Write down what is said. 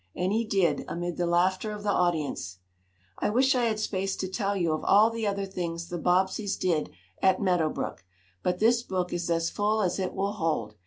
And he did, amid the laughter of the audience. I wish I had space to tell you of all the other things the Bobbseys did at Meadow Brook, but this book is as full as it will hold.